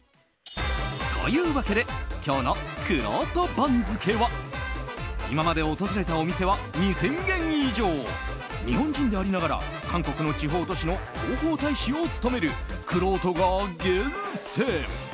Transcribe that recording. というわけで今日のくろうと番付は今まで訪れたお店は２０００軒以上日本人でありながら韓国の地方都市の広報大使を務めるくろうとが厳選。